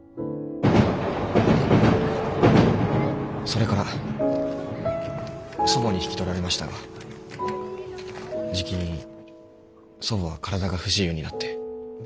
それから祖母に引き取られましたがじきに祖母は体が不自由になって。